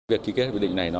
việc ký kết hiệp định này